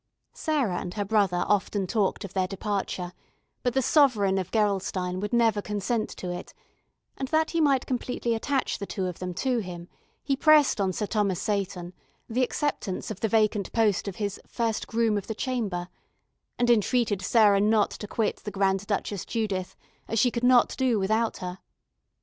Sarah and her brother often talked of their departure, but the sovereign of Gerolstein would never consent to it; and that he might completely attach the two to him, he pressed on Sir Thomas Seyton the acceptance of the vacant post of his "first groom of the chamber," and entreated Sarah not to quit the Grand Duchess Judith, as she could not do without her.